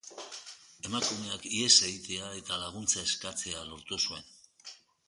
Emakumeak ihes egitea eta laguntza eskatzea lortu zuen.